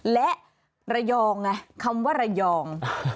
และระยองไงคำว่าระยอง